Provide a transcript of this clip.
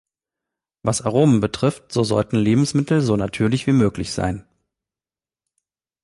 Was Aromen betrifft, so sollten Lebensmittel so natürlich wie möglich sein.